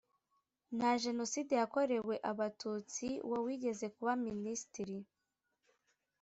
nta jenoside yakorewe Abatutsi Uwo wigeze kuba Minisitiri